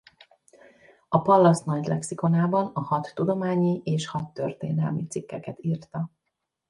A Pallas Nagy Lexikonában a hadtudományi és hadtörténelmi cikkeket írta.